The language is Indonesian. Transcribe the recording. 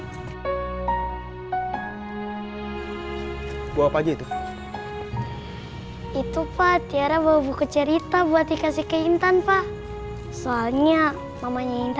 hai bu apa gitu itu pak tiara bawa buku cerita buat dikasih ke intan pak soalnya mamanya itu